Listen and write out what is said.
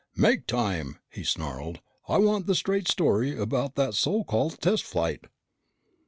"Make time!" he snarled. "I want the straight story about that so called test flight!"